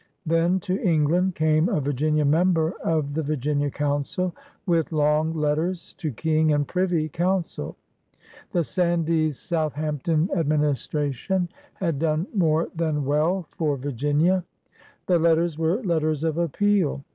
Then to England came a Virginia member of the Virginia Council, with long letters to King and Privy Council: the Sandys ^uth ampton administration had done more than well 106 PIONEERS OF THE OLD SOUTH for Virginia. The letters were letters of appeal.